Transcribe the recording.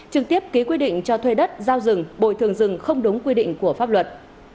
trực tiếp ký quy định cho thuê đất giao rừng bồi thường rừng không đúng quy định của pháp luật